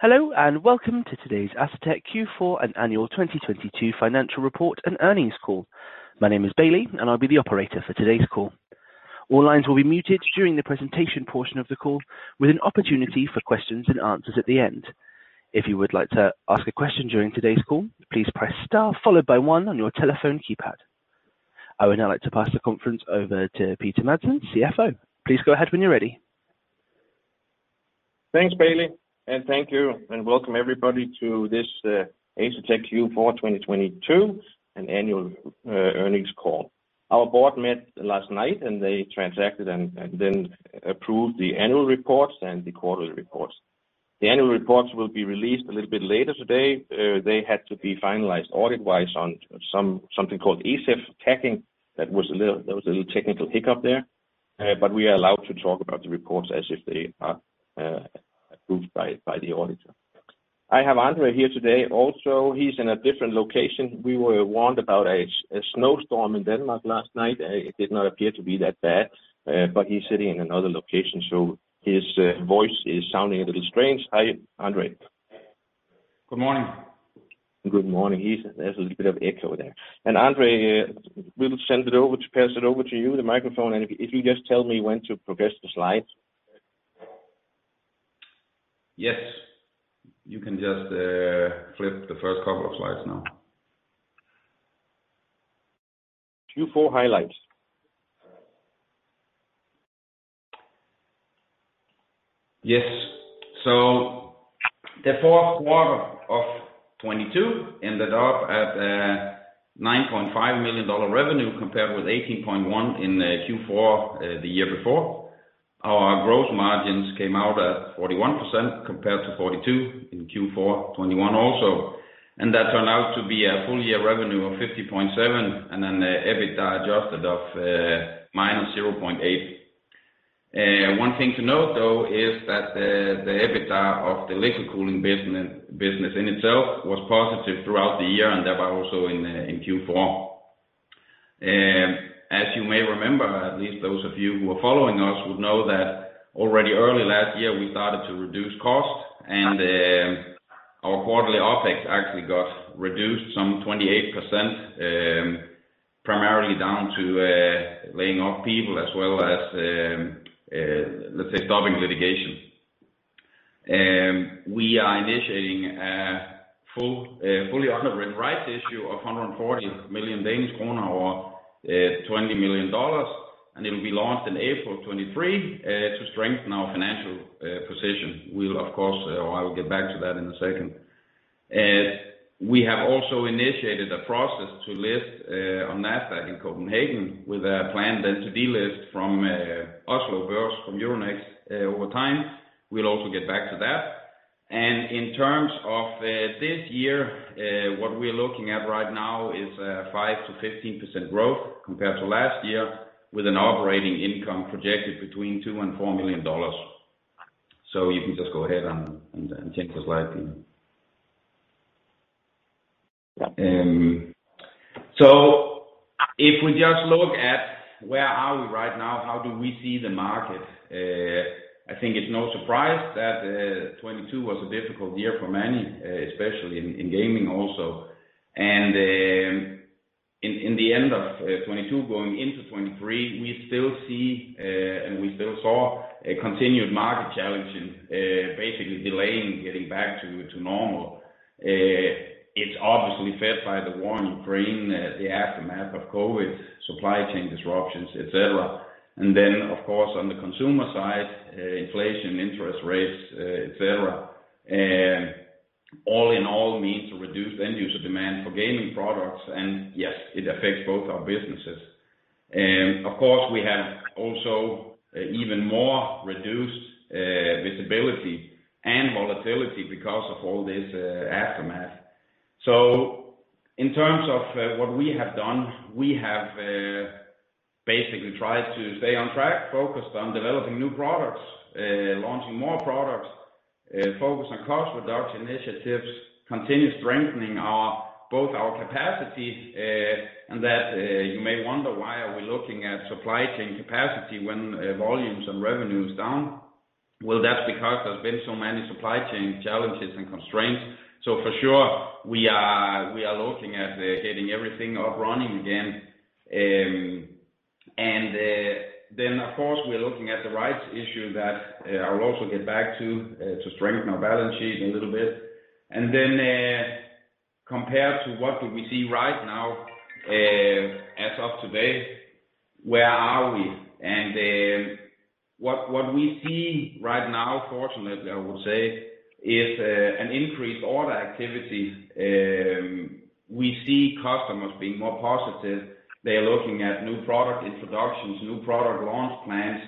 Hello, welcome to today's Asetek Q4 and annual 2022 financial report and earnings call. My name is Bailey, I'll be the operator for today's call. All lines will be muted during the presentation portion of the call, with an opportunity for questions and answers at the end. If you would like to ask a question during today's call, please press star one on your telephone keypad. I would now like to pass the conference over to Peter Madsen, CFO. Please go ahead when you're ready. Thanks, Bailey. Thank you and welcome everybody to this, Asetek Q4 2022 and annual earnings call. Our board met last night. They transacted and then approved the annual reports and the quarterly reports. The annual reports will be released a little bit later today. They had to be finalized audit-wise on something called ESEF tagging. There was a little technical hiccup there, but we are allowed to talk about the reports as if they are approved by the auditor. I have André here today also. He's in a different location. We were warned about a snowstorm in Denmark last night. It did not appear to be that bad, but he's sitting in another location, so his voice is sounding a little strange. Hi, André. Good morning. Good morning. There's a little bit of echo there. Andre, we'll pass it over to you, the microphone, and if you just tell me when to progress the slides. Yes. You can just flip the first couple of slides now. Q4 highlights. Yes. The fourth quarter of 2022 ended up at $9.5 million revenue compared with $18.1 million in Q4 the year before. Our gross margins came out at 41% compared to 42% in Q4 2021 also. That turned out to be a full year revenue of $50.7 million and an EBITDA adjusted of -$0.8 million. One thing to note though is that the EBITDA of the liquid cooling business in itself was positive throughout the year and thereby also in Q4. As you may remember, at least those of you who are following us would know that already early last year, we started to reduce costs and our quarterly OpEx actually got reduced some 28%, primarily down to laying off people as well as, let's say, stopping litigation. We are initiating a full, fully underwritten rights issue of 140 million Danish kroner or $20 million. It'll be launched in April of 2023 to strengthen our financial position. We'll of course, or I will get back to that in a second. We have also initiated a process to list on Nasdaq in Copenhagen with a plan then to delist from Oslo Børs from Euronext over time. We'll also get back to that. In terms of this year, what we're looking at right now is 5%-15% growth compared to last year with an operating income projected between $2 million and $4 million. You can just go ahead and change the slide please. If we just look at where are we right now, how do we see the market? I think it's no surprise that 2022 was a difficult year for many, especially in gaming also. In the end of 2022 going into 2023, we still see and we still saw a continued market challenge in basically delaying getting back to normal. It's obviously fed by the war in Ukraine, the aftermath of COVID, supply chain disruptions, et cetera. Of course, on the consumer side, inflation, interest rates, et cetera. All in all means reduced end user demand for gaming products and yes, it affects both our businesses. Of course, we have also even more reduced visibility and volatility because of all this aftermath. In terms of what we have done, we have basically tried to stay on track, focused on developing new products, launching more products, focus on cost reduction initiatives, continue strengthening our, both our capacity, and that, you may wonder why are we looking at supply chain capacity when volumes and revenue is down. That's because there's been so many supply chain challenges and constraints. For sure we are looking at getting everything up running again. Then of course, we are looking at the rights issue that I will also get back to strengthen our balance sheet a little bit. Then, compared to what do we see right now, as of today, where are we? What we see right now, fortunately, I would say, is an increased order activity. We see customers being more positive. They're looking at new product introductions, new product launch plans,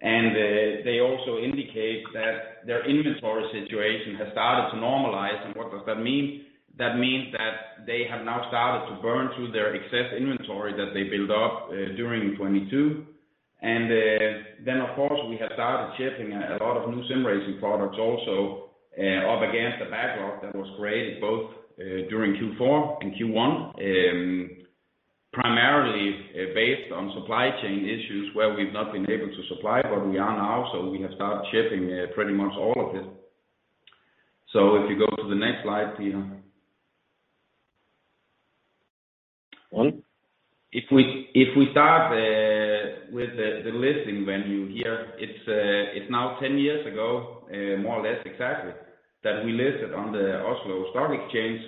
and they also indicate that their inventory situation has started to normalize. What does that mean? That means that they have now started to burn through their excess inventory that they built up during in 2022. Of course, we have started shipping a lot of new sim racing products also, up against the backlog that was created both during Q4 and Q1. Primarily based on supply chain issues where we've not been able to supply, but we are now, so we have started shipping pretty much all of it. If you go to the next slide, Peter. One. If we, if we start with the listing venue here, it's now 10 years ago, more or less exactly that we listed on the Oslo Stock Exchange.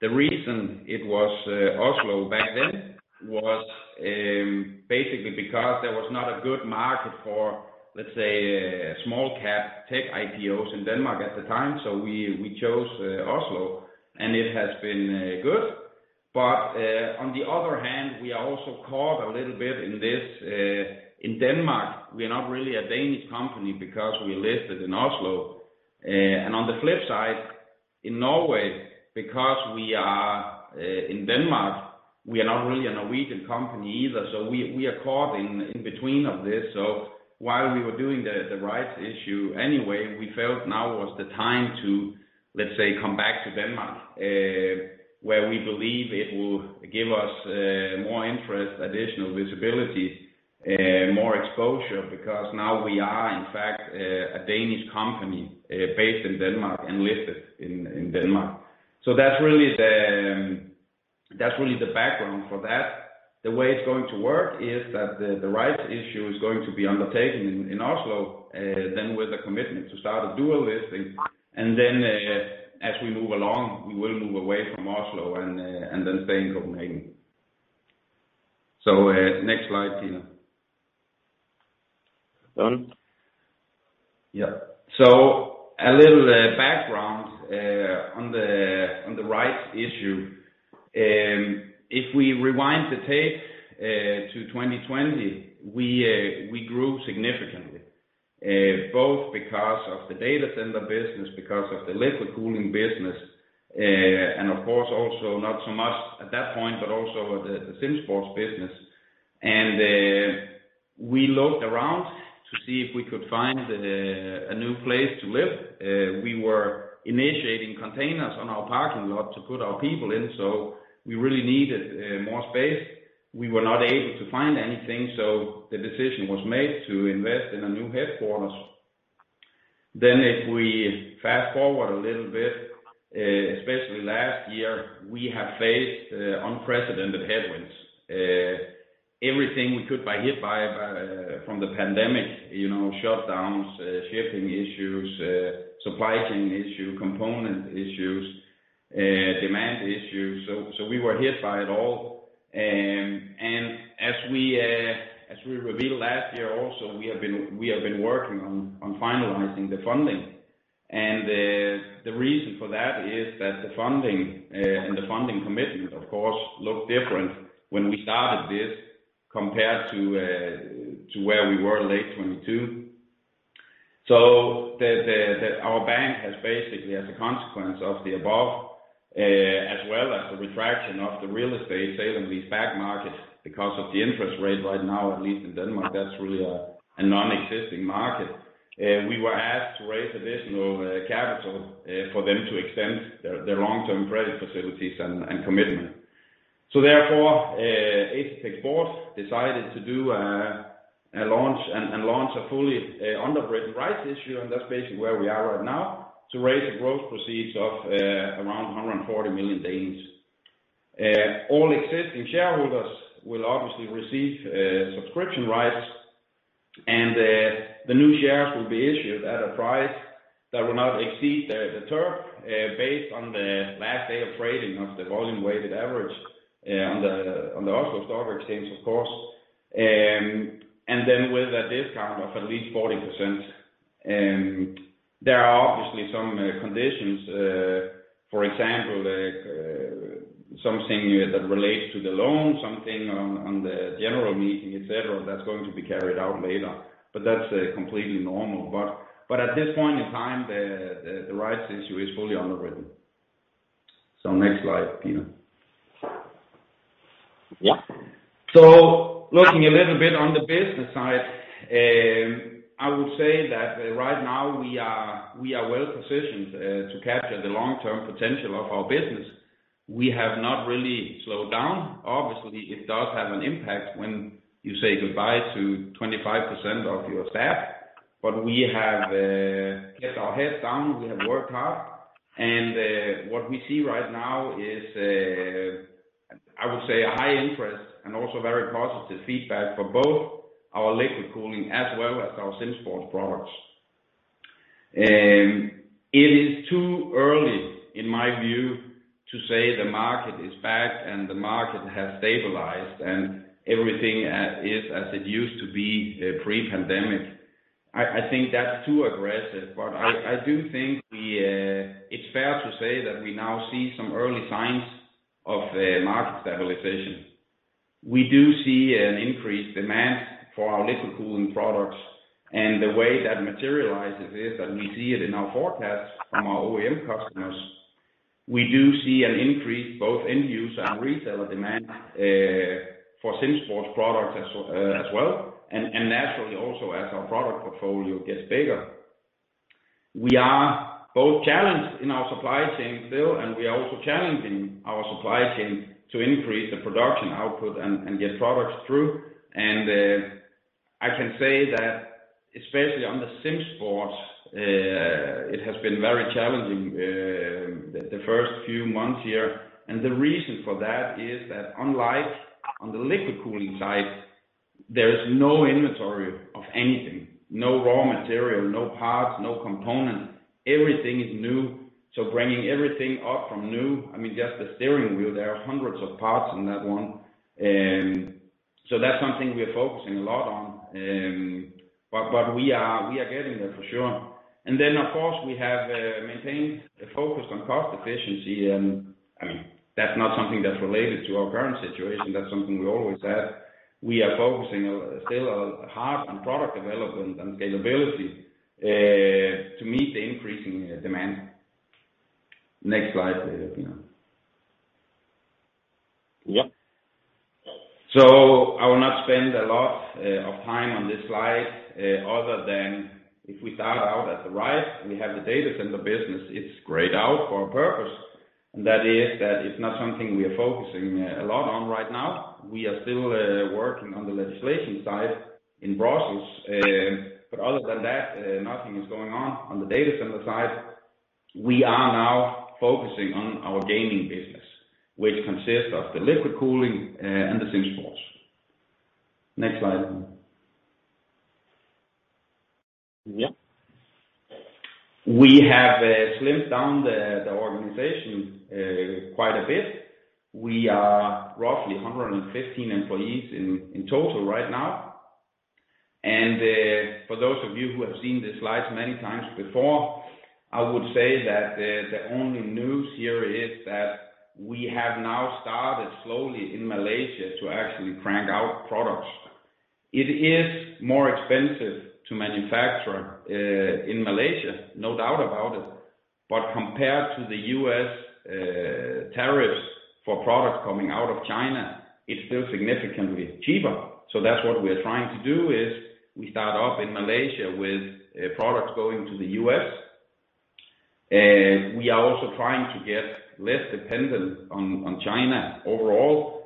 The reason it was Oslo back then was basically because there was not a good market for, let's say, small cap tech IPOs in Denmark at the time. We chose Oslo, and it has been good. On the other hand, we are also caught a little bit in this, in Denmark, we are not really a Danish company because we listed in Oslo. On the flip side, in Norway, because we are in Denmark, we are not really a Norwegian company either. We are caught in between of this. While we were doing the rights issue anyway, we felt now was the time to, let's say, come back to Denmark, where we believe it will give us more interest, additional visibility, more exposure because now we are in fact a Danish company, based in Denmark and listed in Denmark. That's really the background for that. The way it's going to work is that the rights issue is going to be undertaken in Oslo, then with a commitment to start a dual listing. Then, as we move along, we will move away from Oslo and then stay in Copenhagen. Next slide, Peter. Done. Yeah. A little background on the rights issue. If we rewind the tape to 2020, we grew significantly both because of the data center business, because of the liquid cooling business, and of course also not so much at that point, but also the SimSports business. We looked around to see if we could find a new place to live. We were initiating containers on our parking lot to put our people in, so we really needed more space. We were not able to find anything, so the decision was made to invest in a new headquarters. If we fast-forward a little bit, especially last year, we have faced unprecedented headwinds. Everything we could be hit by, from the pandemic, you know, shutdowns, shipping issues, supply chain issue, component issues, demand issues. We were hit by it all. As we, as we revealed last year also, we have been working on finalizing the funding. The reason for that is that the funding, and the funding commitment of course, looked different when we started this compared to where we were late 2022. Our bank has basically, as a consequence of the above, as well as the retraction of the real estate sale-leaseback markets because of the interest rate right now, at least in Denmark, that's really a non-existing market. We were asked to raise additional capital for them to extend their long-term credit facilities and commitment. Therefore, Asetek's board decided to do a launch and launch a fully underwritten rights issue, and that's basically where we are right now, to raise gross proceeds of around 140 million. All existing shareholders will obviously receive subscription rights, and the new shares will be issued at a price that will not exceed the term based on the last day of trading of the volume-weighted average on the Oslo Stock Exchange, of course. With a discount of at least 40%. There are obviously some conditions, for example, something that relates to the loan, something on the general meeting, et cetera, that's going to be carried out later, but that's completely normal. At this point in time, the rights issue is fully underwritten. Next slide, Peter. Yeah. Looking a little bit on the business side, I would say that right now we are well positioned to capture the long-term potential of our business. We have not really slowed down. Obviously, it does have an impact when you say goodbye to 25% of your staff. We have kept our heads down. We have worked hard. What we see right now is, I would say a high interest and also very positive feedback for both our liquid cooling as well as our SimSports products. It is too early, in my view, to say the market is back and the market has stabilized and everything is as it used to be, pre-pandemic. I think that's too aggressive, but I do think we, it's fair to say that we now see some early signs of a market stabilization. We do see an increased demand for our liquid cooling products, and the way that materializes is that we see it in our forecasts from our OEM customers. We do see an increase both end user and reseller demand for SimSports products as well. Naturally also as our product portfolio gets bigger, we are both challenged in our supply chain still, and we are also challenging our supply chain to increase the production output and get products through. I can say that especially on the SimSports, it has been very challenging the first few months here. The reason for that is that unlike on the liquid cooling side, there is no inventory of anything, no raw material, no parts, no components. Everything is new. Bringing everything up from new, I mean, just the steering wheel, there are hundreds of parts in that one. That's something we are focusing a lot on. But we are getting there for sure. Then of course we have maintained a focus on cost efficiency and, I mean, that's not something that's related to our current situation, that's something we always have. We are focusing still hard on product development and scalability to meet the increasing demand. Next slide, please, Peter. Yeah. I will not spend a lot of time on this slide, other than if we start out at the right, we have the data center business. It's grayed out for a purpose, and that is that it's not something we are focusing a lot on right now. We are still working on the legislation side in Brussels. Other than that, nothing is going on the data center side. We are now focusing on our gaming business, which consists of the liquid cooling and the SimSports. Next slide. Yeah. We have slimmed down the organization quite a bit. We are roughly 115 employees in total right now. For those of you who have seen the slides many times before, I would say that the only news here is that we have now started slowly in Malaysia to actually crank out products. It is more expensive to manufacture in Malaysia, no doubt about it. Compared to the US, tariffs for products coming out of China, it's still significantly cheaper. That's what we are trying to do, is we start off in Malaysia with products going to the US. We are also trying to get less dependent on China overall.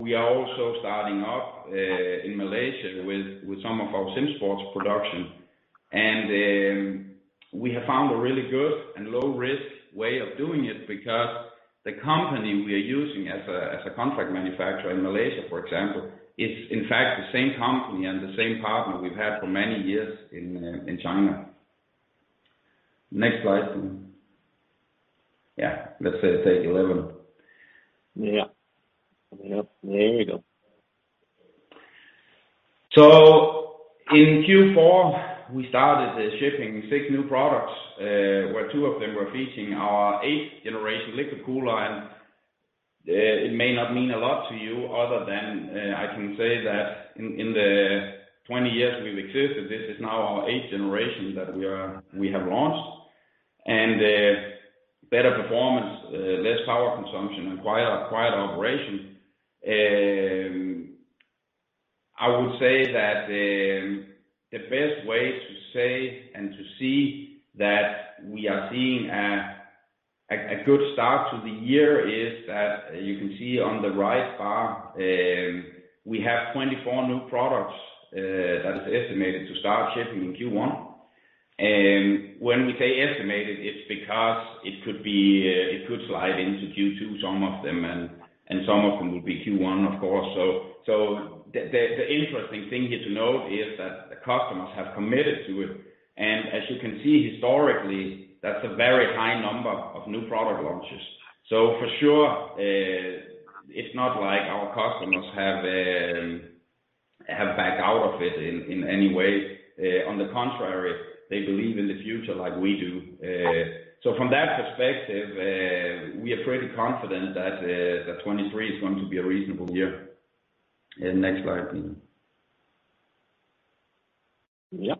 We are also starting up in Malaysia with some of our SimSports production. We have found a really good and low risk way of doing it because the company we are using as a, as a contract manufacturer in Malaysia, for example, is in fact the same company and the same partner we've had for many years in China. Next slide. Yeah, let's say take 11. Yeah. Coming up. There you go. In Q4, we started shipping 6 new products, where two of them were featuring our 8th generation cooling technology. It may not mean a lot to you other than, I can say that in the 20 years we've existed, this is now our 8th generation that we have launched. Better performance, less power consumption and quiet operation. I would say that the best way to say and to see that we are seeing a good start to the year is that you can see on the right bar, we have 24 new products that is estimated to start shipping in Q1. When we say estimated, it's because it could slide into Q2, some of them and some of them will be Q1 of course. The interesting thing here to note is that the customers have committed to it. As you can see historically, that's a very high number of new product launches. For sure, it's not like our customers have backed out of it in any way. On the contrary, they believe in the future like we do. From that perspective, we are pretty confident that 2023 is going to be a reasonable year. Next slide, Peter. Yeah.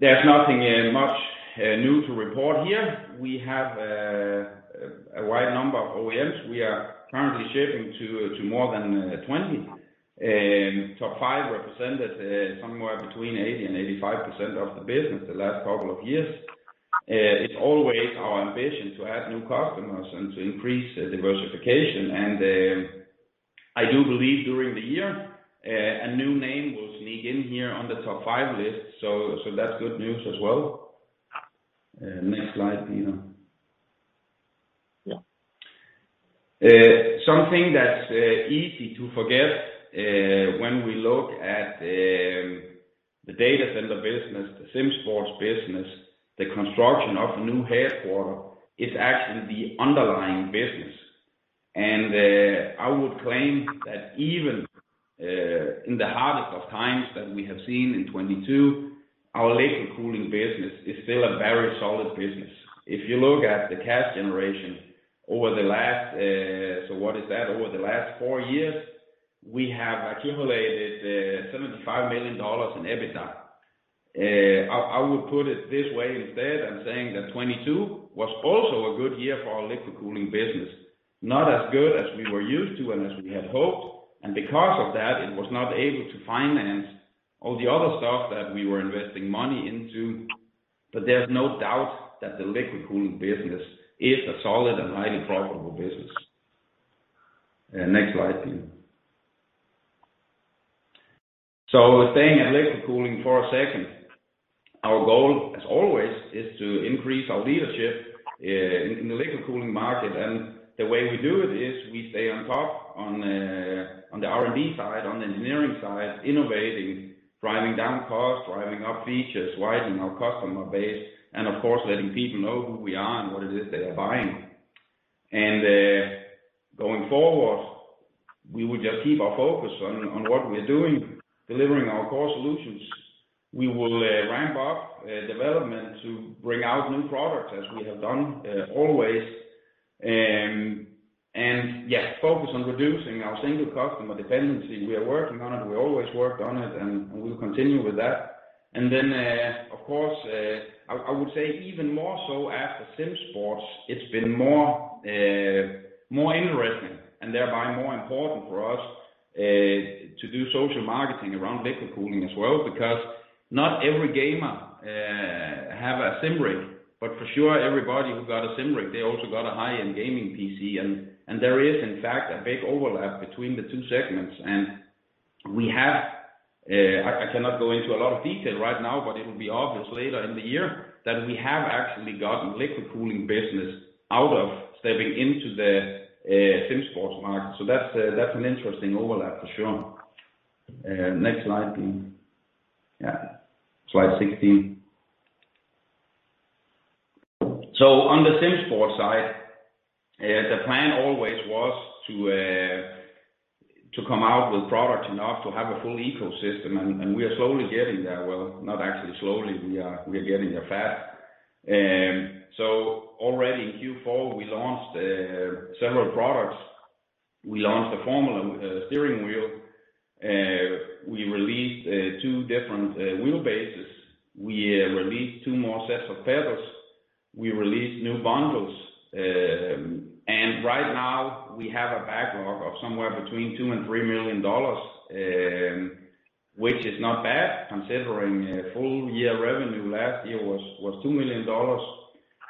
There's nothing much new to report here. We have a wide number of OEMs. We are currently shipping to more than 20. Top five represented somewhere between 80 and 85% of the business the last couple of years. It's always our ambition to add new customers and to increase diversification. I do believe during the year a new name will sneak in here on the top five list. That's good news as well. Next slide, Peter. Yeah. Something that's easy to forget, when we look at the data center business, the SimSports business, the construction of the new headquarter, it's actually the underlying business. I would claim that even in the hardest of times that we have seen in 2022, our liquid cooling business is still a very solid business. If you look at the cash generation over the last, so what is that? Over the last four years, we have accumulated $75 million in EBITDA. I would put it this way instead, and saying that 2022 was also a good year for our liquid cooling business. Not as good as we were used to and as we had hoped, because of that, it was not able to finance all the other stuff that we were investing money into. There's no doubt that the liquid cooling business is a solid and highly profitable business. Next slide, please. Staying in liquid cooling for a second, our goal, as always, is to increase our leadership in the liquid cooling market. The way we do it is we stay on top on the R&D side, on the engineering side, innovating, driving down costs, driving up features, widening our customer base, and of course, letting people know who we are and what it is they are buying. Going forward, we will just keep our focus on what we are doing, delivering our core solutions. We will ramp up development to bring out new products as we have done always. Yes, focus on reducing our single customer dependency. We are working on it, we always worked on it, and we'll continue with that. Then, of course, I would say even more so after SimSports, it's been more interesting and thereby more important for us to do social marketing around liquid cooling as well, because not every gamer have a sim rig, but for sure everybody who got a sim rig, they also got a high-end gaming PC. There is in fact a big overlap between the two segments. We have, I cannot go into a lot of detail right now, but it will be obvious later in the year that we have actually gotten liquid cooling business out of stepping into the SimSports market. That's an interesting overlap for sure. Next slide please. Yeah, slide 16. On the SimSports side, the plan always was to come out with product enough to have a full ecosystem, and we are slowly getting there. Well, not actually slowly, we are getting there fast. Already in Q4 we launched several products. We launched a formula steering wheel. We released two different wheel bases. We released two more sets of pedals. We released new bundles. Right now we have a backlog of somewhere between $2 million-$3 million, which is not bad considering full year revenue last year was $2 million.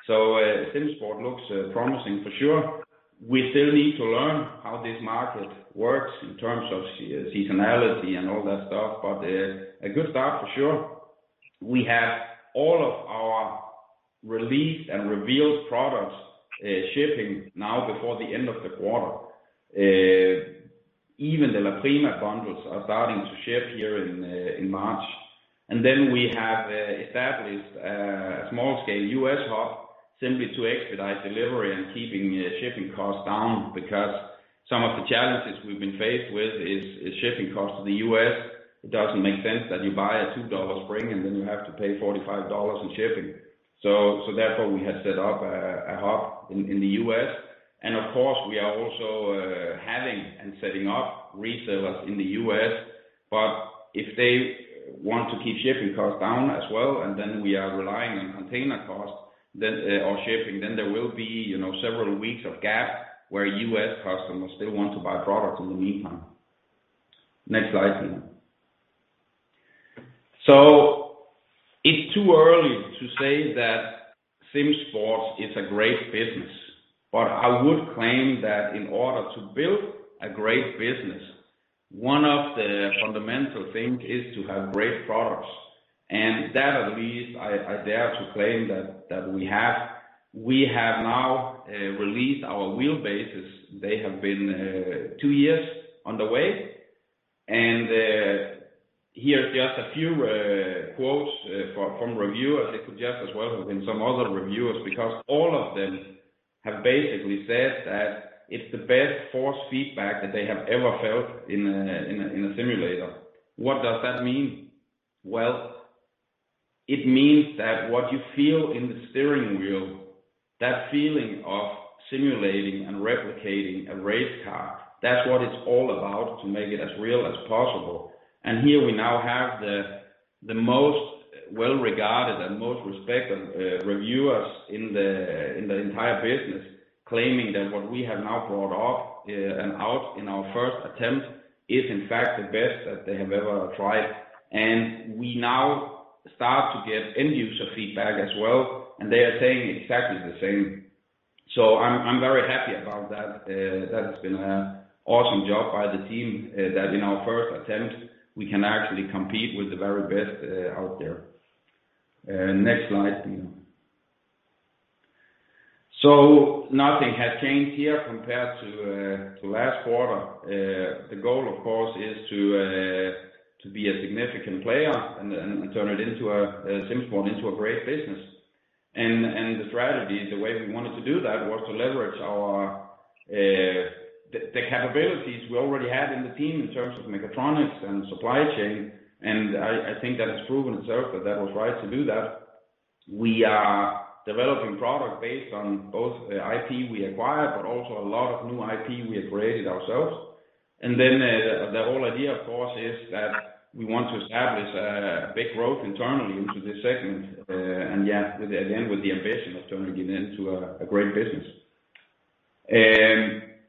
SimSports looks promising for sure. We still need to learn how this market works in terms of seasonality and all that stuff, but a good start for sure. We have all of our released and revealed products shipping now before the end of the quarter. Even the La Prima bundles are starting to ship here in March. Then we have established a small scale US hub simply to expedite delivery and keeping shipping costs down because some of the challenges we've been faced with is shipping costs to the U.S. It doesn't make sense that you buy a $2 spring and then you have to pay $45 in shipping. Therefore we have set up a hub in the U.S. and of course we are also having and setting up resellers in the U.S. If they want to keep shipping costs down as well, and then we are relying on container costs, then, or shipping, then there will be, you know, several weeks of gap where U.S. customers still want to buy product in the meantime. Next slide please. It's too early to say that SimSports is a great business, but I would claim that in order to build a great business, one of the fundamental things is to have great products. That at least I dare to claim that we have. We have now released our wheel bases. They have been two years on the way. Here is just a few quotes from reviewers, Liquid Gear as well, and some other reviewers, because all of them have basically said that it's the best force feedback that they have ever felt in a simulator. What does that mean? Well, it means that what you feel in the steering wheel, that feeling of simulating and replicating a race car, that's what it's all about, to make it as real as possible. Here we now have the most well-regarded and most respected reviewers in the entire business claiming that what we have now brought off and out in our first attempt is in fact the best that they have ever tried. We now start to get end user feedback as well, and they are saying exactly the same. I'm very happy about that. That's been an awesome job by the team that in our first attempt, we can actually compete with the very best out there. Next slide please. Nothing has changed here compared to last quarter. The goal, of course, is to be a significant player and turn it into a SimSports into a great business. The strategy, the way we wanted to do that was to leverage our the capabilities we already had in the team in terms of mechatronics and supply chain. I think that has proven itself that that was right to do that. We are developing product based on both IP we acquired, but also a lot of new IP we have created ourselves. The whole idea, of course, is that we want to establish a big growth internally into this segment. Yeah, again, with the ambition of turning it into a great business.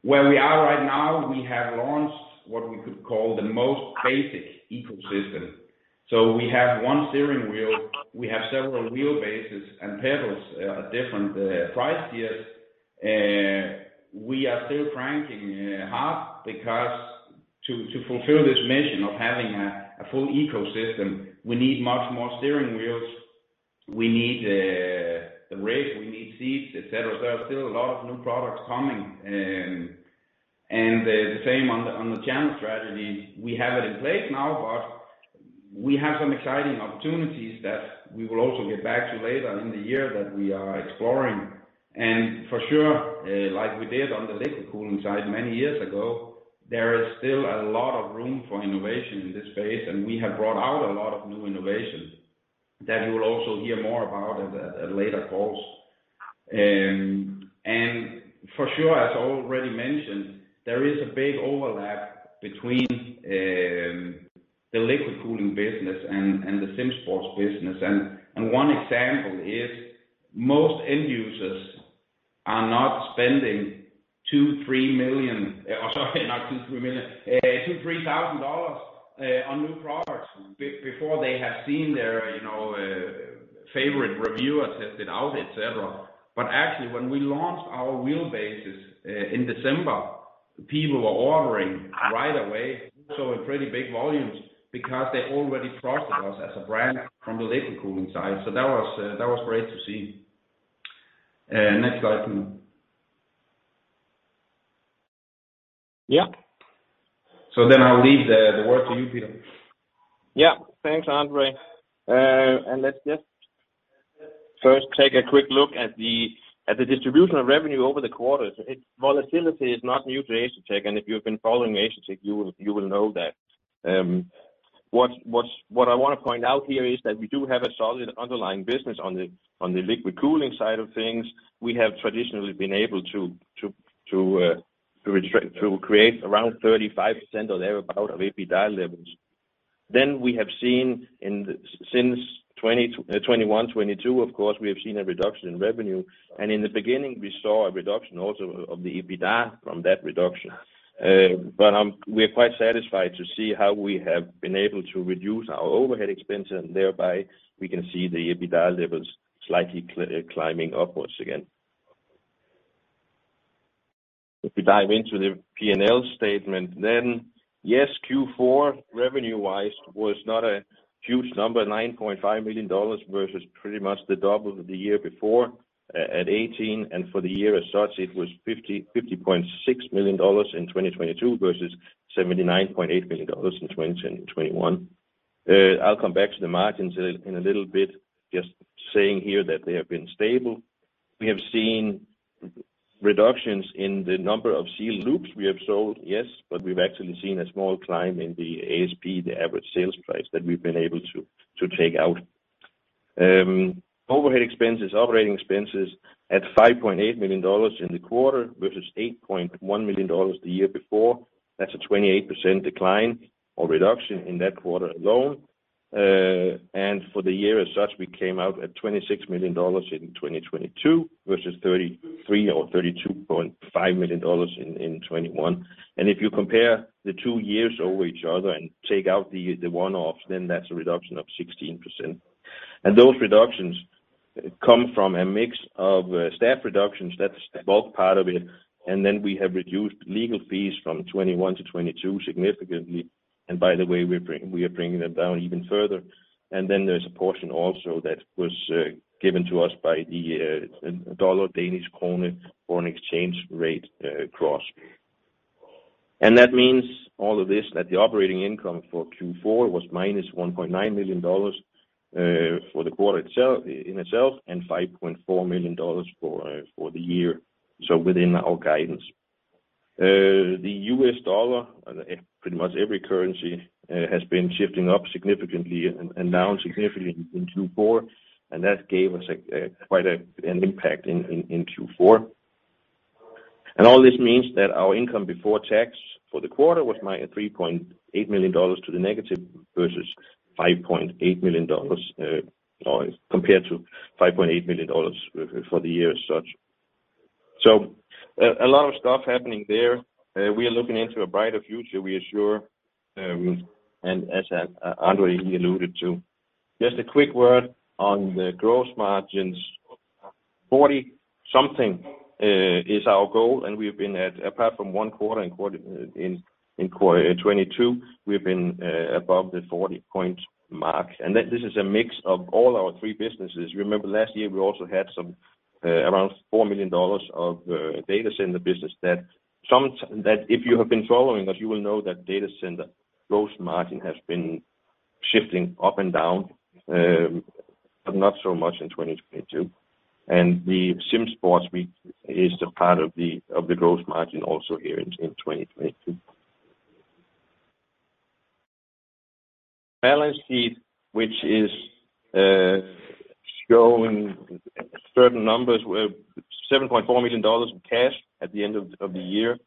Where we are right now, we have launched what we could call the most basic ecosystem. We have one steering wheel, we have several wheelbases and pedals at different price tiers. We are still cranking hard because to fulfill this mission of having a full ecosystem, we need much more steering wheels. We need the rig, we need seats, et cetera. There are still a lot of new products coming and the same on the channel strategy. We have it in place now. We have some exciting opportunities that we will also get back to later in the year that we are exploring. For sure, like we did on the liquid cooling side many years ago, there is still a lot of room for innovation in this space, and we have brought out a lot of new innovations that you will also hear more about at a later course. For sure, as already mentioned, there is a big overlap between the liquid cooling business and the SimSports business. One example is most end users are not spending $2 million-$3 million, sorry, not $2 million-$3 million, $2,000-$3,000 on new products before they have seen their, you know, favorite reviewer test it out, et cetera. When we launched our wheelbases in December, people were ordering right away, so in pretty big volumes because they already trusted us as a brand from the liquid cooling side. That was great to see. Next slide, please. Yeah. I'll leave the word to you, Peter. Yeah. Thanks, André. Let's just first take a quick look at the distribution of revenue over the quarters. Its volatility is not new to Asetek, and if you've been following Asetek, you will know that. What's what I wanna point out here is that we do have a solid underlying business on the liquid cooling side of things. We have traditionally been able to create around 35% or thereabout of EBITDA levels. We have seen since 2021, 2022, of course, we have seen a reduction in revenue. In the beginning, we saw a reduction also of the EBITDA from that reduction. We're quite satisfied to see how we have been able to reduce our overhead expense, and thereby we can see the EBITDA levels slightly climbing upwards again. If we dive into the P&L statement, Q4 revenue-wise was not a huge number, $9.5 million versus pretty much the double the year before at 18. For the year as such, it was $50.6 million in 2022 versus $79.8 million in 2021. I'll come back to the margins in a little bit, just saying here that they have been stable. We have seen reductions in the number of sealed loops we have sold, yes, but we've actually seen a small climb in the ASP, the average sales price that we've been able to take out. Overhead expenses, operating expenses at $5.8 million in the quarter versus $8.1 million the year before. That's a 28% decline or reduction in that quarter alone. For the year as such, we came out at $26 million in 2022 versus $33 million or $32.5 million in 2021. If you compare the two years over each other and take out the one-offs, then that's a reduction of 16%. Those reductions come from a mix of staff reductions, that's the bulk part of it, then we have reduced legal fees from 2021-2022 significantly. By the way, we are bringing them down even further. There's a portion also that was given to us by the dollar Danish kroner foreign exchange rate cross. That means all of this, that the operating income for Q4 was -$1.9 million for the quarter itself, and $5.4 million for the year, so within our guidance. The U.S. dollar, pretty much every currency, has been shifting up significantly and down significantly in Q4, that gave us quite an impact in Q4. All this means that our income before tax for the quarter was -$3.8 million versus $5.8 million, or compared to $5.8 million for the year as such. A lot of stuff happening there. We are looking into a brighter future, we are sure, as André, he alluded to. Just a quick word on the gross margins. 40 something is our goal, and we've been at, apart from one quarter in quarter 2022, we've been above the 40 point mark. This is a mix of all our three businesses. Remember last year, we also had some around $4 million of data center business that if you have been following us, you will know that data center gross margin has been shifting up and down, but not so much in 2022. The SimSports is a part of the gross margin also here in 2022. Balance sheet, which is showing certain numbers, $7.4 million in cash at the end of the year,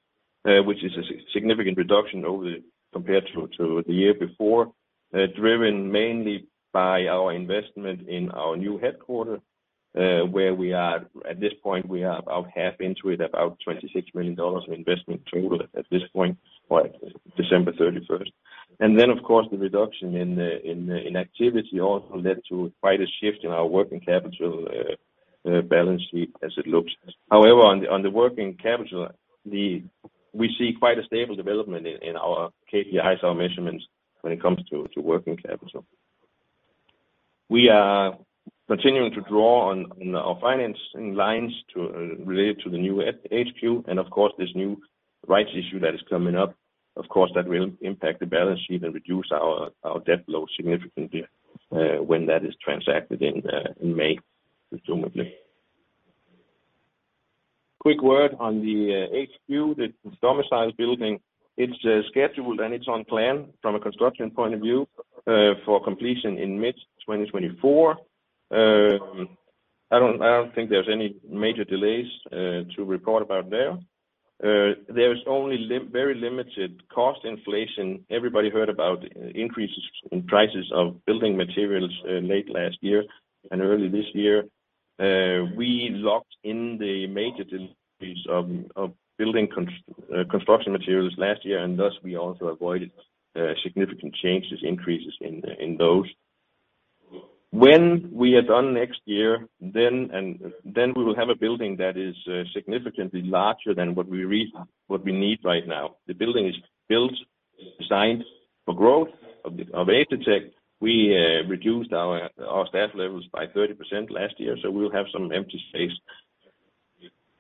which is a significant reduction over compared to the year before. Driven mainly by our investment in our new headquarter, where we are at this point, we are about half into it, about $26 million of investment total at this point by December 31. Then of course, the reduction in activity also led to quite a shift in our working capital balance sheet as it looks. On the working capital, we see quite a stable development in our KPIs, our measurements when it comes to working capital. We are continuing to draw on our financing lines to relate to the new HQ and of course this new rights issue that is coming up. Of course, that will impact the balance sheet and reduce our debt load significantly when that is transacted in May, presumably. Quick word on the HQ, the domicile building. It's scheduled, and it's on plan from a construction point of view for completion in mid 2024. I don't think there's any major delays to report about there. There is only very limited cost inflation. Everybody heard about increases in prices of building materials late last year and early this year. We locked in the major increases of construction materials last year, and thus, we also avoided significant changes, increases in those. When we are done next year, then we will have a building that is significantly larger than what we need right now. The building is built, designed for growth of Asetek. We reduced our staff levels by 30% last year, so we'll have some empty space.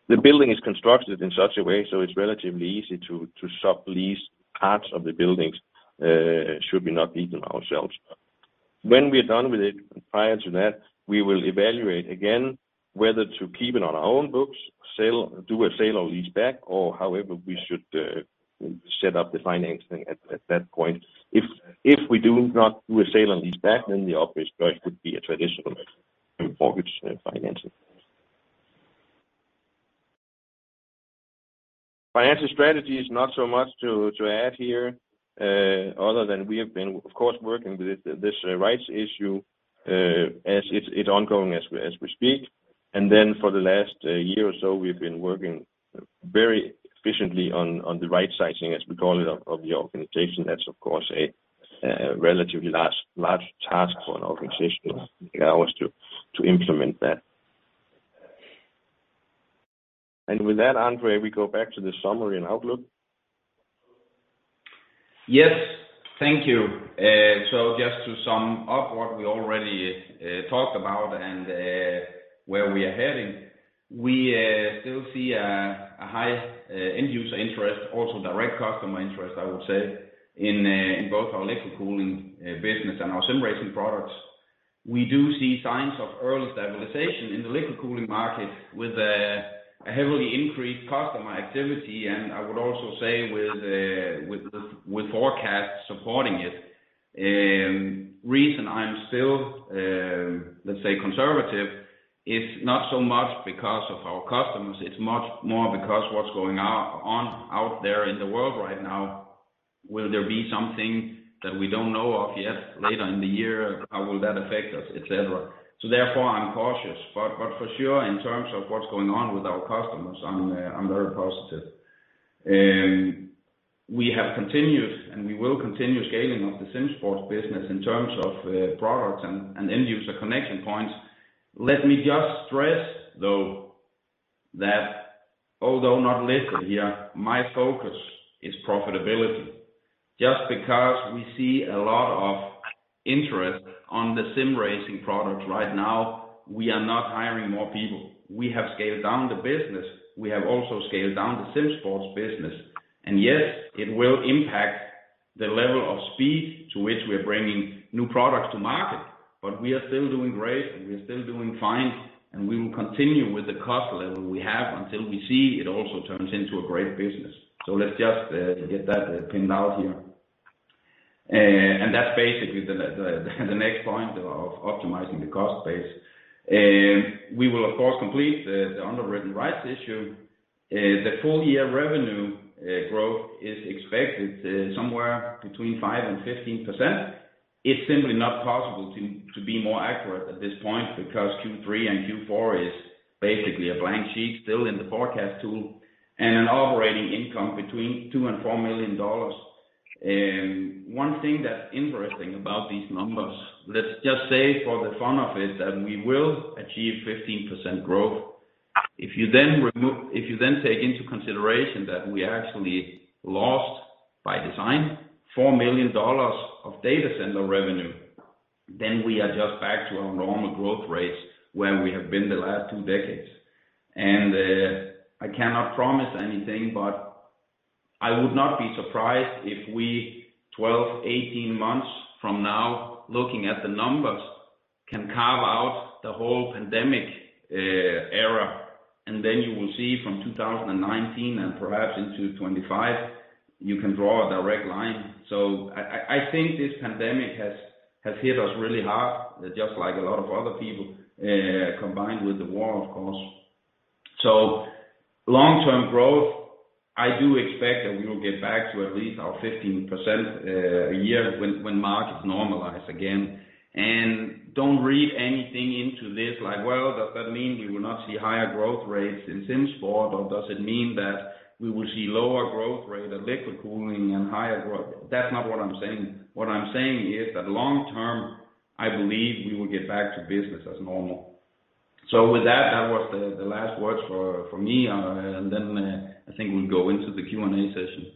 The building is constructed in such a way, so it's relatively easy to sublease parts of the buildings, should we not need them ourselves. When we're done with it, prior to that, we will evaluate again whether to keep it on our own books, do a sale-leaseback, or however we should set up the financing at that point. If we do not do a sale-leaseback, then the obvious choice would be a traditional mortgage financing. Financial strategy is not so much to add here, other than we have been of course, working with this rights issue, as it's ongoing as we speak. For the last year or so, we've been working very efficiently on the right sizing, as we call it, of the organization. That's of course a relatively last large task for an organization like ours to implement that. With that, André, we go back to the summary and outlook. Yes. Thank you. So just to sum up what we already talked about and where we are heading, we still see a high end user interest, also direct customer interest, I would say, in both our liquid cooling business and our sim racing products. We do see signs of early stabilization in the liquid cooling market with a heavily increased customer activity. I would also say with forecast supporting it. Reason I'm still, let's say conservative is not so much because of our customers, it's much more because what's going on out there in the world right now. Will there be something that we don't know of yet later in the year? How will that affect us, et cetera. Therefore, I'm cautious, but for sure, in terms of what's going on with our customers, I'm very positive. We have continued, and we will continue scaling of the SimSports business in terms of products and end user connection points. Let me just stress though that although not listed here, my focus is profitability. Just because we see a lot of interest on the sim racing products right now, we are not hiring more people. We have scaled down the business. We have also scaled down the SimSports business. Yes, it will impact the level of speed to which we are bringing new products to market, but we are still doing great, and we're still doing fine, and we will continue with the cost level we have until we see it also turns into a great business. Let's just get that pinned out here. And that's basically the, the next point of optimizing the cost base. We will of course complete the underwritten rights issue. The full year revenue growth is expected somewhere between 5% and 15%. It's simply not possible to be more accurate at this point because Q3 and Q4 is basically a blank sheet still in the forecast tool and an operating income between $2 million and $4 million. One thing that's interesting about these numbers, let's just say for the fun of it, that we will achieve 15% growth. If you then take into consideration that we actually lost by design $4 million of data center revenue, then we are just back to our normal growth rates where we have been the last two decades. I cannot promise anything, but I would not be surprised if we 12-18 months from now, looking at the numbers. Can carve out the whole pandemic era, and then you will see from 2019 and perhaps into 2025, you can draw a direct line. I think this pandemic has hit us really hard, just like a lot of other people, combined with the war, of course. Long-term growth, I do expect that we will get back to at least our 15% a year when markets normalize again. Don't read anything into this, like, well, does that mean we will not see higher growth rates in SimSports, or does it mean that we will see lower growth rate of liquid cooling and higher growth? That's not what I'm saying. What I'm saying is that long term, I believe we will get back to business as normal. With that was the last words for me. I think we'll go into the Q&A session.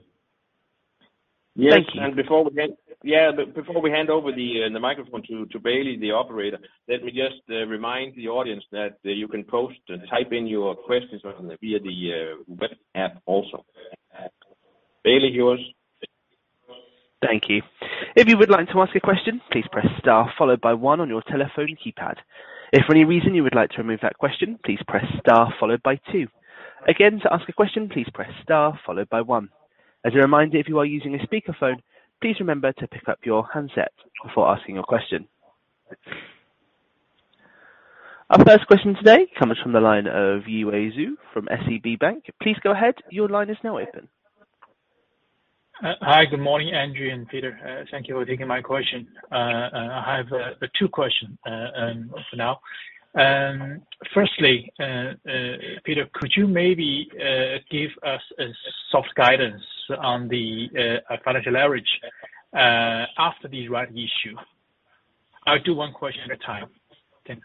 Thank you. Yeah, before we hand over the microphone to Bailey, the operator, let me just remind the audience that you can post and type in your questions on via the web app also. Bailey, yours. Thank you. If you would like to ask a question, please press star followed by one on your telephone keypad. If for any reason you would like to remove that question, please press star followed by two. Again, to ask a question, please press star followed by one. As a reminder, if you are using a speakerphone, please remember to pick up your handset before asking your question. Our first question today comes from the line of Yue Zhu from SEB Bank. Please go ahead. Your line is now open. Hi. Good morning, Andre and Peter. Thank you for taking my question. I have two questions for now. Firstly, Peter, could you maybe give us a soft guidance on the financial average after these rights issue? I'll do one question at a time. Thanks.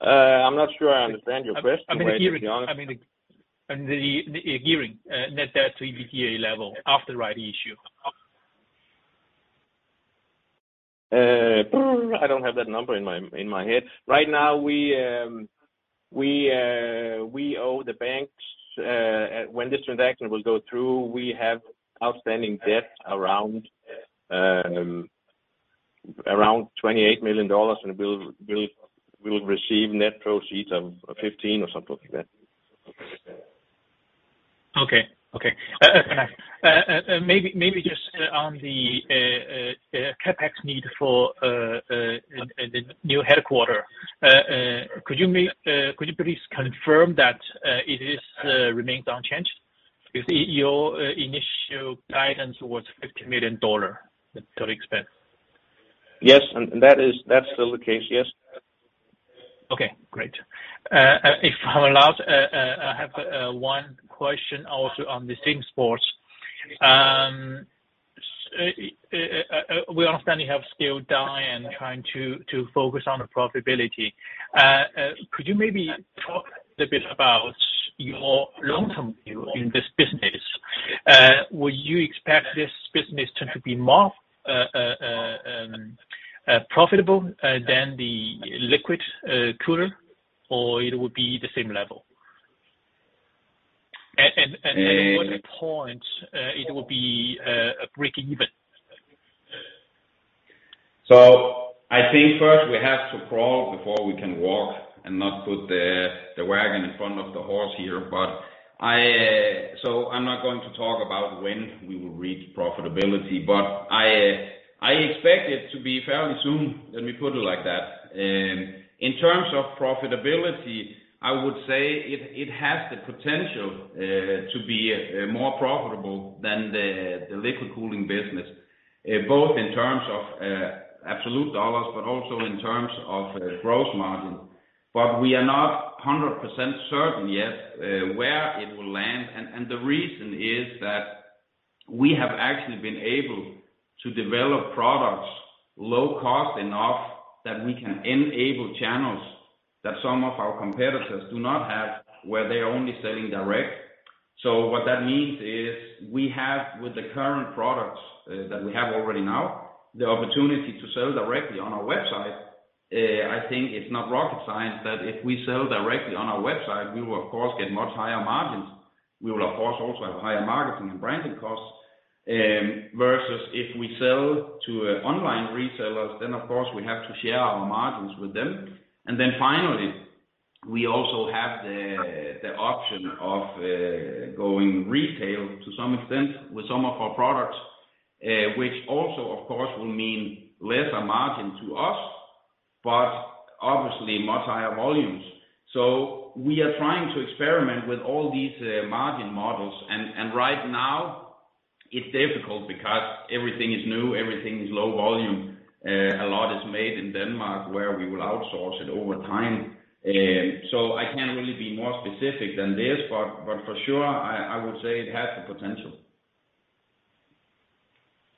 I'm not sure I understand your question, but to be honest. I mean the gearing, net debt to EBITDA level after rights issue. I don't have that number in my head. Right now, we owe the banks when this transaction will go through, we have outstanding debt around $28 million, and we'll receive net proceeds of $15 million or something like that. Okay. Okay. Maybe just on the CapEx need for the new headquarter. Could you please confirm that it remains unchanged? Your initial guidance was $50 million total expense. Yes. That's still the case. Yes. Okay, great. If I'm allowed, I have one question also on the SimSports. We understand you have scaled down and trying to focus on the profitability. Could you maybe talk a bit about your long-term view in this business? Would you expect this business tend to be more profitable than the liquid cooler, or it would be the same level? At what point it will be a break-even? I think first we have to crawl before we can walk and not put the wagon in front of the horse here. I'm not going to talk about when we will reach profitability, but I expect it to be fairly soon. Let me put it like that. In terms of profitability, I would say it has the potential to be more profitable than the liquid cooling business, both in terms of absolute dollars but also in terms of gross margin. We are not 100% certain yet where it will land. The reason is that we have actually been able to develop products low cost enough that we can enable channels that some of our competitors do not have where they are only selling direct. What that means is we have, with the current products, that we have already now, the opportunity to sell directly on our website. I think it's not rocket science that if we sell directly on our website, we will of course get much higher margins. We will of course also have higher marketing and branding costs, versus if we sell to online retailers, then of course we have to share our margins with them. Finally, we also have the option of going retail to some extent with some of our products, which also of course will mean lesser margin to us, but obviously much higher volumes. We are trying to experiment with all these margin models. Right now it's difficult because everything is new, everything is low volume. A lot is made in Denmark, where we will outsource it over time. I can't really be more specific than this, but for sure, I would say it has the potential.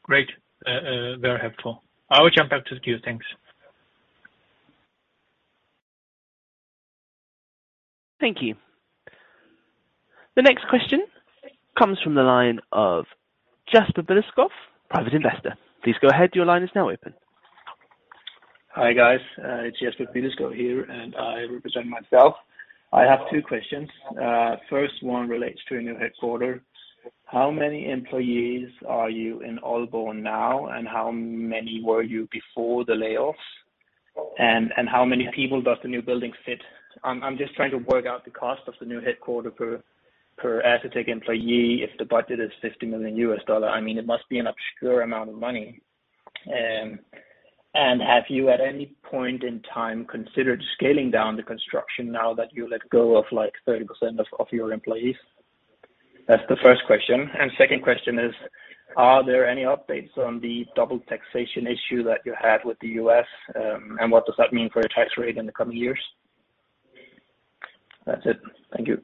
Great. Very helpful. I will jump out of queue. Thanks. Thank you. The next question comes from the line of Jesper Billeskov, private investor. Please go ahead. Your line is now open. Hi guys, it's Jesper Billeskov here. I represent myself. I have two questions. First one relates to a new headquarter. How many employees are you in Aalborg now? How many were you before the layoffs? How many people does the new building fit? I'm just trying to work out the cost of the new headquarter per Asetek employee. If the budget is $50 million, I mean, it must be an obscure amount of money. Have you at any point in time considered scaling down the construction now that you let go of, like, 30% of your employees? That's the first question. Second question is, are there any updates on the double taxation issue that you had with the U.S., and what does that mean for your tax rate in the coming years? That's it. Thank you.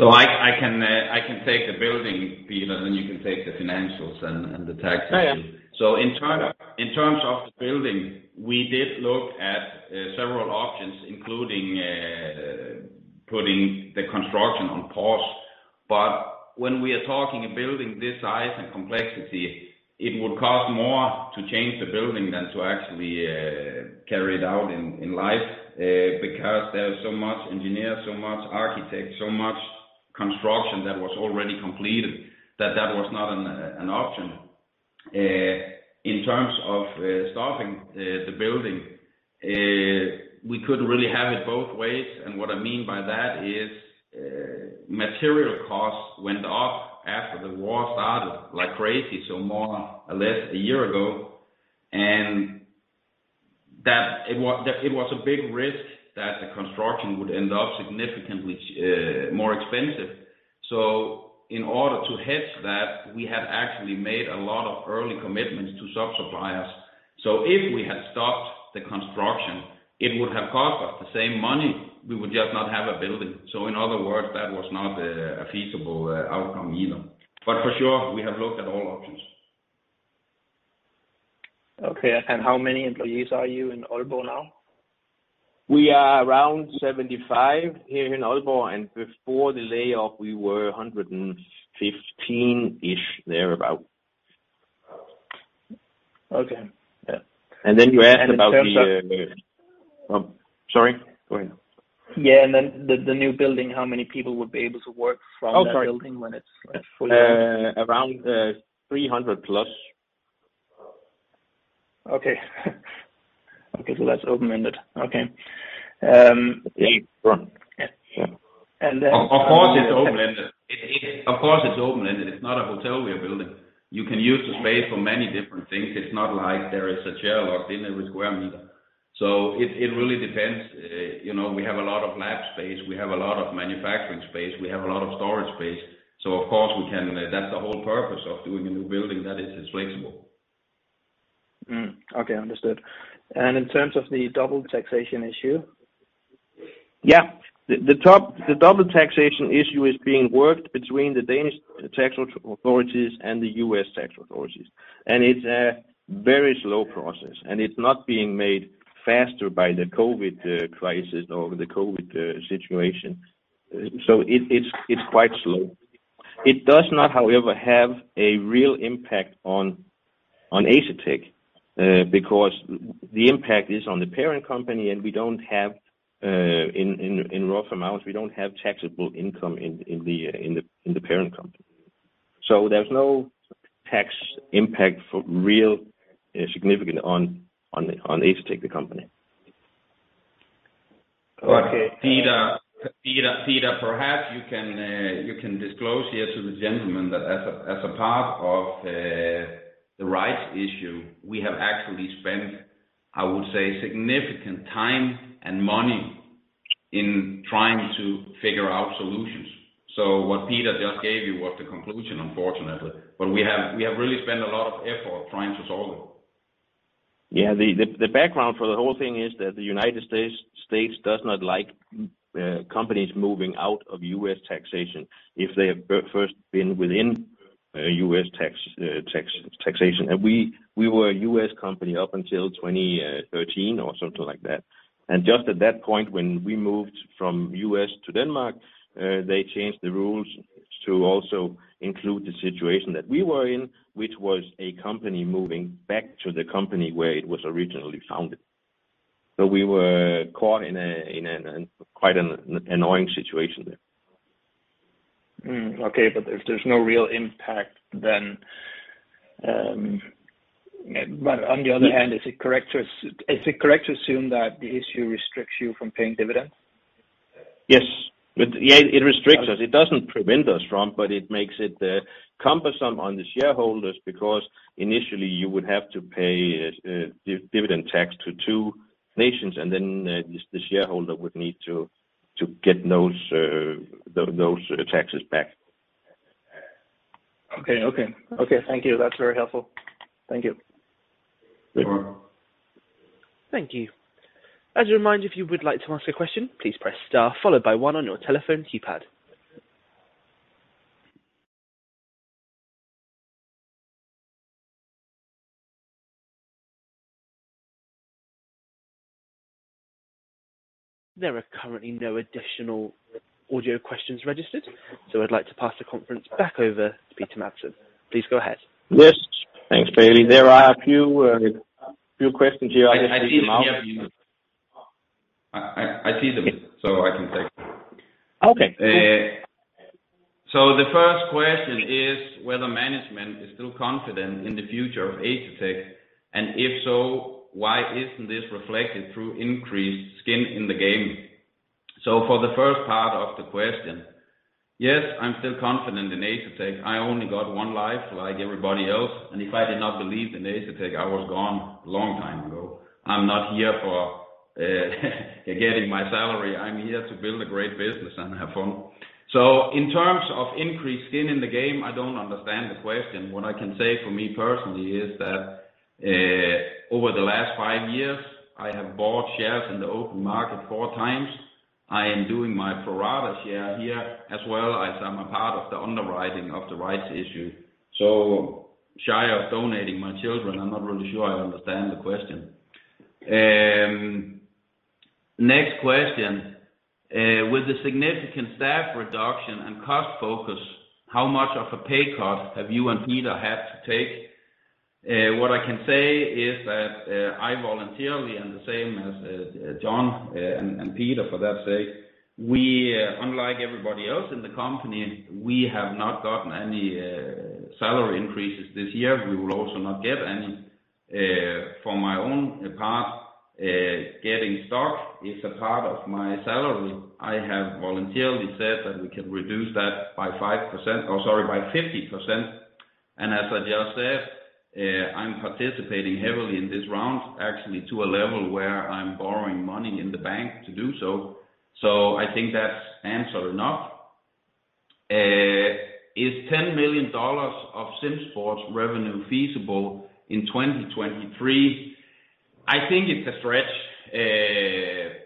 I can take the building, Peter, then you can take the financials and the tax issue. Yeah, yeah. In terms of the building, we did look at several options, including putting the construction on pause. When we are talking a building this size and complexity, it would cost more to change the building than to actually carry it out in life, because there's so much engineers, so much architects, so much construction that was already completed that was not an option. In terms of stopping the building, we could really have it both ways. What I mean by that is, material costs went up after the war started, like crazy, so more or less a year ago. That it was a big risk that the construction would end up significantly more expensive. In order to hedge that, we have actually made a lot of early commitments to sub-suppliers. If we had stopped the construction, it would have cost us the same money, we would just not have a building. In other words, that was not a feasible outcome either. For sure, we have looked at all options. How many employees are you in Aalborg now? We are around 75 here in Aalborg, and before the layoff we were 115-ish, thereabout. Okay. Yeah. Then you asked about the. in terms of- Oh, sorry. Go ahead. Yeah. Then the new building, how many people would be able to work from that building when it's, like, fully done? Around 300 plus. Okay. Okay. That's open-ended. Okay. Yeah. Sure. Yeah. Of course it's open-ended. It, of course, it's open-ended. It's not a hotel we are building. You can use the space for many different things. It's not like there is a chair locked in every square meter. It really depends. You know, we have a lot of lab space, we have a lot of manufacturing space, we have a lot of storage space. Of course we can... That's the whole purpose of doing a new building, that it's flexible. Okay, understood. In terms of the dual listing issue? Yeah. The double taxation issue is being worked between the Danish tax authorities and the U.S. tax authorities. It's a very slow process, and it's not being made faster by the COVID crisis or the COVID situation. It's quite slow. It does not, however, have a real impact on Asetek, because the impact is on the parent company, and we don't have in rough amounts, we don't have taxable income in the parent company. There's no tax impact for real significant on Asetek the company. Okay. Peter, perhaps you can disclose here to the gentleman that as a part of the rights issue, we have actually spent, I would say, significant time and money in trying to figure out solutions. What Peter just gave you was the conclusion, unfortunately. We have really spent a lot of effort trying to solve it. The background for the whole thing is that the United States does not like companies moving out of U.S. taxation if they have first been within U.S. tax, taxation. We were a U.S. company up until 2013 or something like that. Just at that point when we moved from U.S. to Denmark, they changed the rules to also include the situation that we were in, which was a company moving back to the company where it was originally founded. We were caught in quite an annoying situation there. Okay. If there's no real impact then, on the other hand, is it correct to assume that the issue restricts you from paying dividends? Yes. Yeah, it restricts us. It doesn't prevent us from, but it makes it, cumbersome on the shareholders because initially you would have to pay, dividend tax to two nations and then, the shareholder would need to get those taxes back. Okay. Okay. Okay. Thank you. That's very helpful. Thank you. Sure. Thank you. As a reminder, if you would like to ask a question, please press star followed by one on your telephone keypad. There are currently no additional audio questions registered. I'd like to pass the conference back over to Peter Madsen. Please go ahead. Yes, thanks, Bailey. There are a few questions here. I just read them out. I see them, so I can take them. Okay. The first question is whether management is still confident in the future of Asetek, and if so, why isn't this reflected through increased skin in the game? For the first part of the question, yes, I'm still confident in Asetek. I only got one life like everybody else, and if I did not believe in Asetek, I was gone long time ago. I'm not here for getting my salary. I'm here to build a great business and have fun. In terms of increased skin in the game, I don't understand the question. What I can say for me personally is that over the last five years, I have bought shares in the open market four times. I am doing my pro rata share here as well as I'm a part of the underwriting of the rights issue. Shy of donating my children, I'm not really sure I understand the question. Next question. With the significant staff reduction and cost focus, how much of a pay cut have you and Peter had to take? What I can say is that, I voluntarily, and the same as John, and Peter for that sake, we unlike everybody else in the company, we have not gotten any salary increases this year. We will also not get any. From my own part, getting stock is a part of my salary. I have voluntarily said that we can reduce that by 5% or, sorry, by 50%. And as I just said, I'm participating heavily in this round, actually, to a level where I'm borrowing money in the bank to do so. I think that's answer enough. Is $10 million of SimSports revenue feasible in 2023? I think it's a stretch.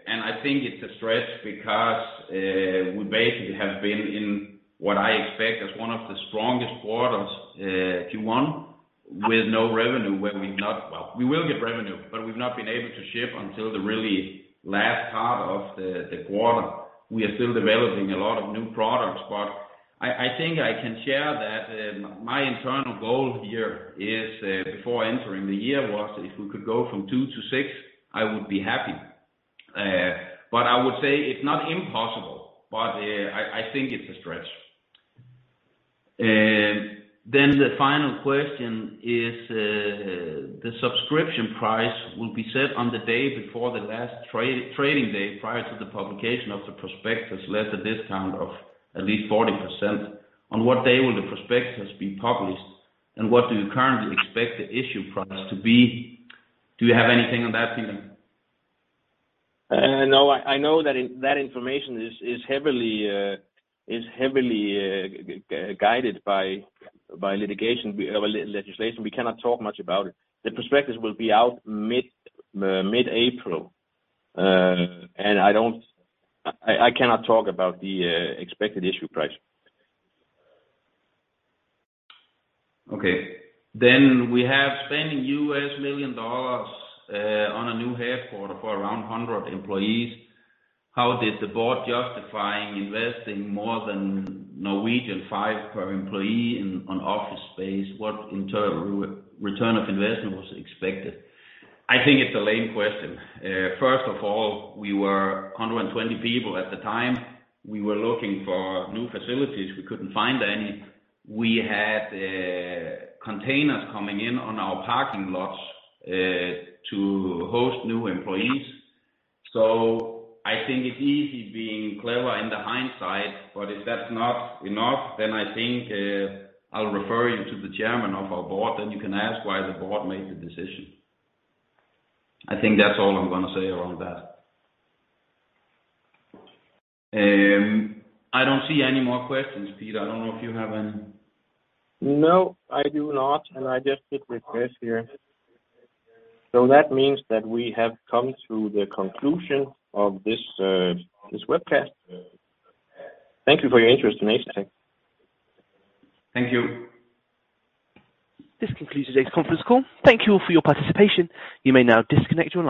I think it's a stretch because we basically have been in what I expect as one of the strongest quarters, Q1, with no revenue, where we will get revenue, but we've not been able to ship until the really last part of the quarter. We are still developing a lot of new products. I think I can share that my internal goal here is before entering the year was if we could go from 2 to 6, I would be happy. I would say it's not impossible, but I think it's a stretch. The final question is, the subscription price will be set on the day before the last trading day prior to the publication of the prospectus, less a discount of at least 40%. On what day will the prospectus be published, and what do you currently expect the issue price to be? Do you have anything on that, Peter? No, I know that information is heavily guided by litigation. We have a legislation. We cannot talk much about it. The prospectus will be out mid-April. I cannot talk about the expected issue price. Okay. We have spending U.S. million dollars on a new headquarter for around 100 employees. How did the board justify investing more than Norwegian Krone per employee in on office space? What return of investment was expected? I think it's a lame question. First of all, we were 120 people at the time. We were looking for new facilities. We couldn't find any. We had containers coming in on our parking lots to host new employees. I think it's easy being clever in the hindsight, if that's not enough, then I think I'll refer you to the chairman of our board, and you can ask why the board made the decision. I think that's all I'm gonna say around that. I don't see any more questions, Peter. I don't know if you have any. No, I do not, and I just did refresh here. That means that we have come to the conclusion of this webcast. Thank you for your interest in Asetek. Thank you. This concludes today's conference call. Thank you all for your participation. You may now disconnect your lines.